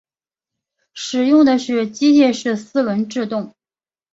使用的是机械式四轮制动。